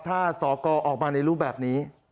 ถ้าสกออกมาในรูปแบบนี้